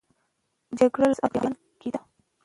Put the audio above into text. جګړه لاس او ګریوان کېده.